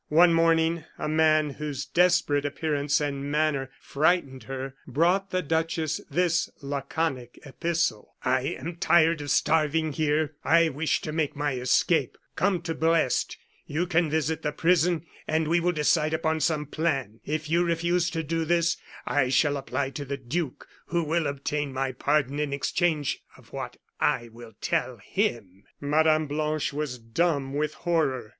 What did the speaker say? One morning, a man whose desperate appearance and manner frightened her, brought the duchess this laconic epistle: "I am tired of starving here; I wish to make my escape. Come to Brest; you can visit the prison, and we will decide upon some plan. If you refuse to do this, I shall apply to the duke, who will obtain my pardon in exchange of what I will tell him." Mme. Blanche was dumb with horror.